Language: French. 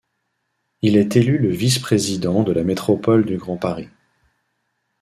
Il est élu le vice-président de la métropole du Grand Paris.